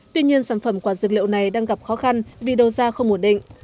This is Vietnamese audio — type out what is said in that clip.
tuy nhiên sản phẩm quả dược liệu này đang gặp khó khăn vì đầu ra không ổn định